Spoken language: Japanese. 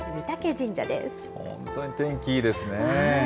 本当に天気いいですね。